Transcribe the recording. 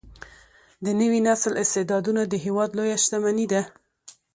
د نوي نسل استعدادونه د هیواد لویه شتمني ده.